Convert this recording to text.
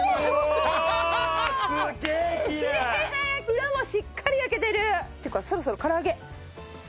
裏もしっかり焼けてる！というかそろそろからあげ。